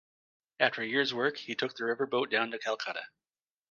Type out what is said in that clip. After a year's work, he took the river boat down to Calcutta.